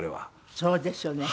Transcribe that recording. そうですよね。